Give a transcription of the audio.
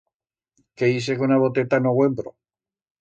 Que ise con a boteta en o uembro.